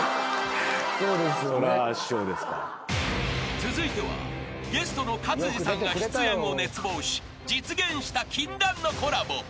［続いてはゲストの勝地さんが出演を熱望し実現した禁断のコラボ］